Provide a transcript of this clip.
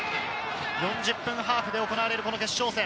４０分ハーフで行われる決勝戦。